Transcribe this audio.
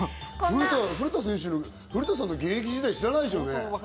古田さんの現役時代、知らないでしょうね。